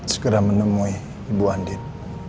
segera menemui ibu andin